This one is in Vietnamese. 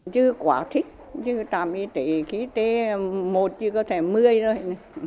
chứ quá thích trạm y tế ký tê một chứ có thể mươi thôi